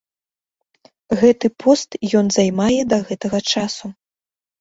Гэты пост ён займае да гэтага часу.